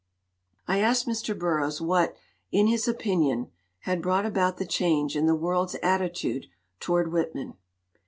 I asked Mr. Burroughs what, in his opinion, had brought about the change in the world's attitude toward Whitman.